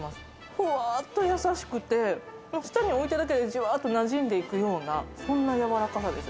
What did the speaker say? ふわーっと優しくて、舌に置いただけでじわーっとなじんでいくような、そんなやわらかさです。